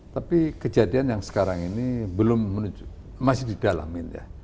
tapi kejadian yang sekarang ini belum menuju masih didalamin ya